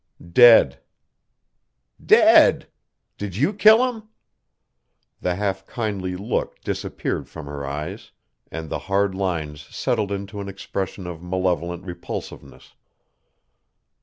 "Dead." "Dead? Did you kill him?" The half kindly look disappeared from her eyes, and the hard lines settled into an expression of malevolent repulsiveness.